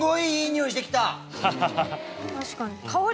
確かに。